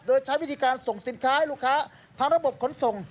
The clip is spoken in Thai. โดยใช้วิธีการส่งสินค้าให้ลูกค้าทางระบบขนส่ง